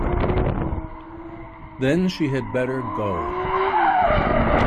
Then she had better go.